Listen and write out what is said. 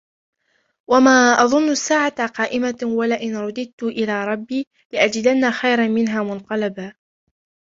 وما أظن الساعة قائمة ولئن رددت إلى ربي لأجدن خيرا منها منقلبا